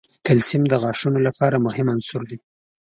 کلسیم د غاښونو لپاره مهم عنصر دی.